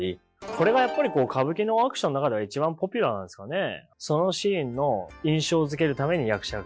それがやっぱり歌舞伎のアクションの中では一番ポピュラーなんですかね。